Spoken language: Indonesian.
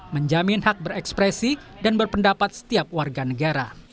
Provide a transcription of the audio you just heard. menjamin hak berekspresi dan berpendapat setiap warga negara